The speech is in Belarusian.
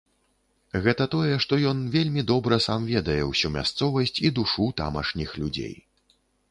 Гэта тое, што ён вельмі добра сам ведае ўсю мясцовасць і душу тамашніх людзей.